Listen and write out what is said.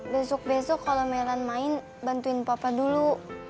besok besok kalau melan main bantuin papa dulu